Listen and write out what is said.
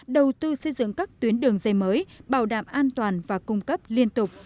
đầu tư xây dựng các tuyến đường dây mới bảo đảm an toàn và cung cấp liên tục